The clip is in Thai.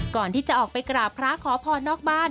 ก่อนที่จะออกไปกราบพระขอพรนอกบ้าน